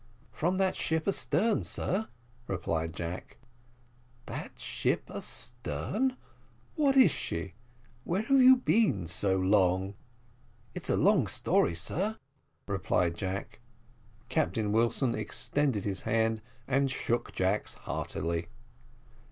"From that ship astern, sir," replied Jack. "That ship astern! what is she? where have you been so long?" "It's a long story, sir," replied Jack. Captain Wilson extended his hand and shook Jack's heartily.